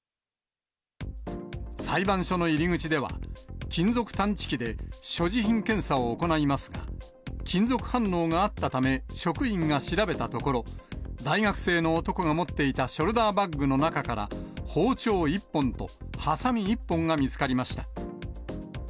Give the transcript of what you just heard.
裁判所の入り口では、金属探知機で所持品検査を行いますが、金属反応があったため、職員が調べたところ、大学生の男が持っていたショルダーバッグの中から、包丁１本とはさみ１本が見つかりました。